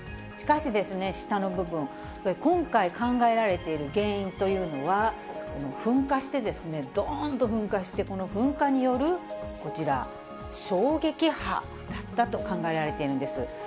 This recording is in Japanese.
しかし、下の部分、今回、考えられている原因というのは、この噴火してですね、どーんと噴火して、噴火によるこちら、衝撃波だったと考えられているんです。